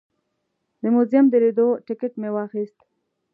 د موزیم د لیدو ټکټ مې واخیست.